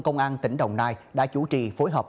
công an tỉnh đồng nai đã chủ trì phối hợp